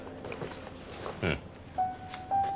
うん。